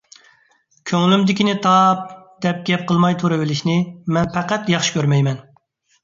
كۆڭلۈمدىكىنى تاپ، دەپ گەپ قىلماي تۇرۇۋېلىشنى مەن پەقەت ياخشى كۆرمەيمەن.